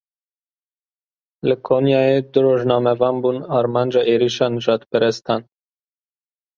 Li Konyaym du rojnamevan bûn armanca êrişa nijadperestan.